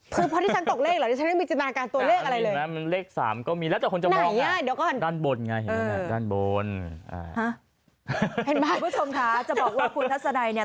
คือเพราะที่ฉันตกเลขเหรอดิฉันไม่มีจินตนาการตัวเลขอะไรเลยนะ